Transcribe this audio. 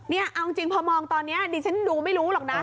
นี่เอาจริงพอมองตอนนี้ดิฉันดูไม่รู้หรอกนะ